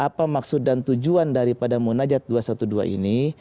dan apa maksud dan tujuan daripada munajat dua ratus dua belas ini